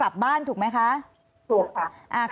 อันดับที่สุดท้าย